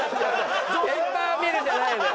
ペッパーミルじゃないのよ。